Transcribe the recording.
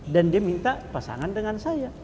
dia minta pasangan dengan saya